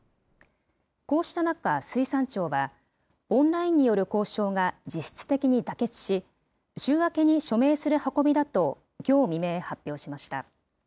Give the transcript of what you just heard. こうした中、水産庁は、オンラインによる交渉が実質的に妥結し、週明けに署名する運びだときょう未明、発表しました。